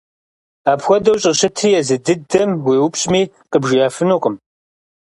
Апхуэдэу щӀыщытри езы дыдэм уеупщӀми къыбжиӀэфынукъым.